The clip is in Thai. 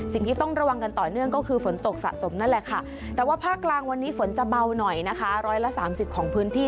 สิ่งที่ต้องระวังกันต่อเนื่องก็คือฝนตกสะสมนั่นแหละค่ะแต่ว่าภาคกลางวันนี้ฝนจะเบาหน่อยนะคะร้อยละสามสิบของพื้นที่